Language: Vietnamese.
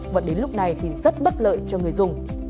và đến lúc này thì rất bất lợi cho người dùng